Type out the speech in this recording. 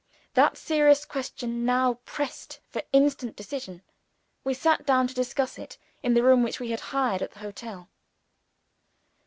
That serious question now pressed for instant decision. We sat down to discuss it, in the room which we had hired at the hotel.